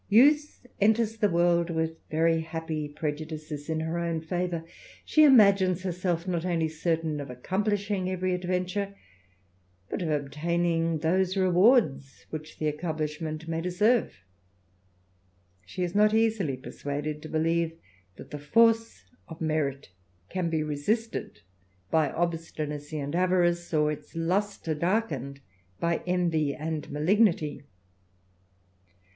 Youth enters the world with very happy prejudices in her own favour. She imagines herself not only certain of accomplishing every adventure, but of obtaining those rewards which the accomplishment may deserve. She is not easily persuaded to believe that the force of merit can be resisted by obstinacy and avarice, or its lustre darkened by envy and malignity.